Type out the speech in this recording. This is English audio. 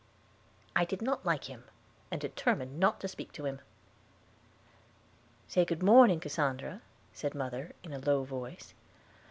I did not like him, and determined not to speak to him. "Say good morning, Cassandra," said mother, in a low voice.